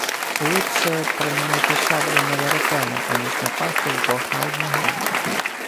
Лучче... проміняти шаблю на веретено, аніж напасти вдвох на одного!